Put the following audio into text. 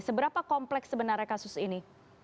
seberapa kompleks sebenarnya kasus ini